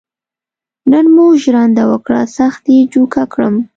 نن مو ژرنده وکړه سخت یې جوکه کړم.